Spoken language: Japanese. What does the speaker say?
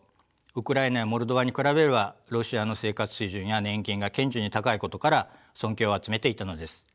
ウクライナやモルドバに比べればロシアの生活水準や年金が顕著に高いことから尊敬を集めていたのです。